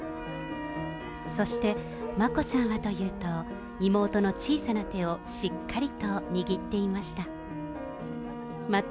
そして眞子さんはというと、妹の小さな手をしっかりと握っていました。